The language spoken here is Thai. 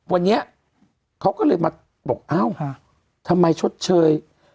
วันนี้เขาก็เลยมาบอกเอ้าทำไมชดเชย